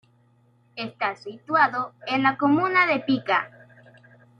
Está situado en la Comuna de Pica.